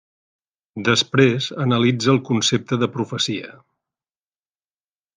Després analitza el concepte de profecia.